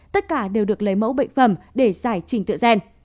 tất cả đều được lấy mẫu bệnh phẩm để giải trình tự gen